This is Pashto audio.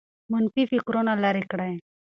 منفي فکرونه لیرې کړئ.